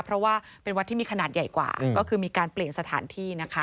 เพราะว่าเป็นวัดที่มีขนาดใหญ่กว่าก็คือมีการเปลี่ยนสถานที่นะคะ